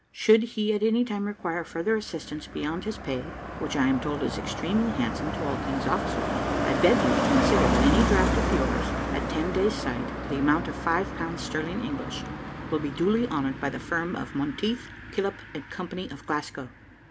Should he at any time require further assistance beyond his pay, which I am told is extremely handsome to all King's officers, I beg you to consider that any draft of yours, at ten days' sight, to the amount of five pounds sterling English, will be duly honoured by the firm of Monteith, McKillop, and Company, of Glasgow.